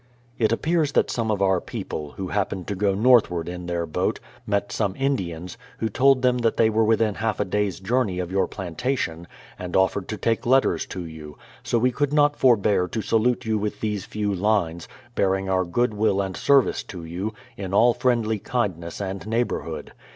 It appears that some of our people, who happened to go north ward in their boat, met some Indians, who told them that they were within half a day's journey of your plantation, and offered to take letters to you; so we could not forbear to salute you with these few lines, bearing our good will and service to you, in all friendly kindness and neighbourhood.